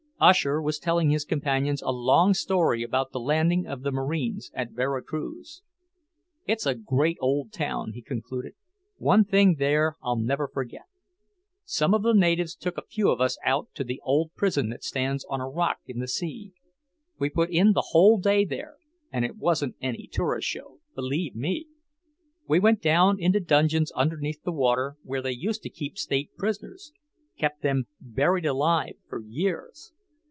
Usher was telling his companions a long story about the landing of the Marines at Vera Cruz. "It's a great old town," he concluded. "One thing there I'll never forget. Some of the natives took a few of us out to the old prison that stands on a rock in the sea. We put in the whole day there, and it wasn't any tourist show, believe me! We went down into dungeons underneath the water where they used to keep State prisoners, kept them buried alive for years.